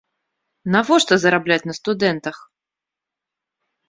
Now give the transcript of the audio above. Навошта зарабляць на студэнтах?